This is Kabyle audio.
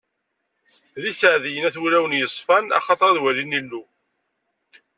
D iseɛdiyen, at wulawen yeṣfan, axaṭer ad walin Illu!